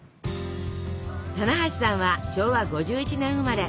棚橋さんは昭和５１年生まれ。